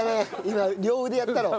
今両腕やったろ？